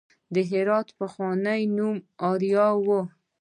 د هرات پخوانی نوم اریا و